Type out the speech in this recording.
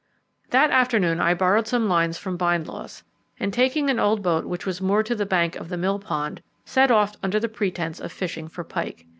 That afternoon I borrowed some lines from Bindloss, and, taking an old boat which was moored to the bank of the mill pond, set off under the pretence of fishing for pike.